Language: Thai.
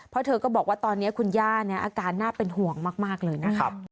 เพราะเธอก็บอกว่าตอนนี้คุณย่าเนี่ยอาการน่าเป็นห่วงมากเลยนะครับ